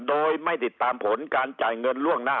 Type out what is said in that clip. โดยไม่ติดตามผลการจ่ายเงินล่วงหน้า